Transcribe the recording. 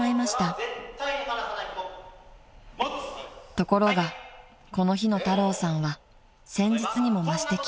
［ところがこの日の太郎さんは先日にも増して厳しく］